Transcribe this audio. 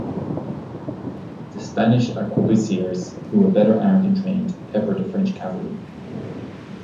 The Spanish arquebusiers, who were better armed and trained, peppered the French cavalry.